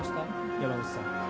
山口さん。